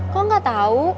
kok gak tau